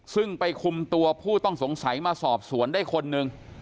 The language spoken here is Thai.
ซึ่งไปคุมตัวผู้ต้องสงสัยมาสอบสวนได้คนหนึ่ง